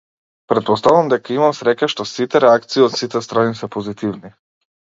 Претпоставувам дека имам среќа што сите реакции од сите страни се позитивни.